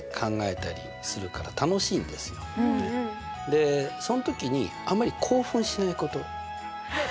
でそん時にあんまり興奮しないこと。